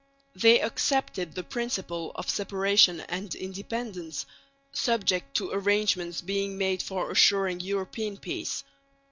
They accepted the principle of separation and independence, subject to arrangements being made for assuring European peace.